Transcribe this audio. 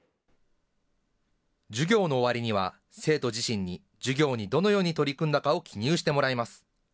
授業の終わりには、生徒自身に授業にどのように取り組んだかを記入してもらいます。